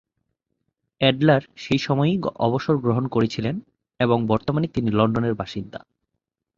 Adler সেই সময়েই অবসর গ্রহণ করেছিলেন এবং বর্তমানে তিনি লন্ডনের বাসিন্দা।